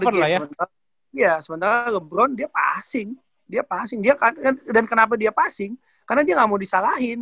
iya sementara ngebron dia passing dia passing dia dan kenapa dia passing karena dia nggak mau disalahin